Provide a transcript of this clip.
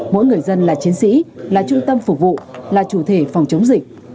mỗi người dân là chiến sĩ là trung tâm phục vụ là chủ thể phòng chống dịch